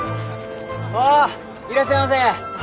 おっいらっしゃいませ！